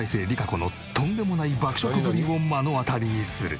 このとんでもない爆食ぶりを目の当たりにする。